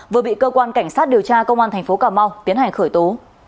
vừa bị cơ quan cảnh sát điều tra công an thành phố cà mau tiến hành khởi tố